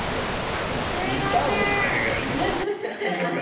あのインターホンやないんやから犬は犬が。